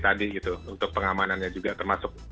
tadi gitu untuk pengamanannya juga termasuk